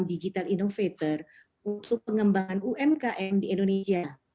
digital innovator untuk pengembangan umkm di indonesia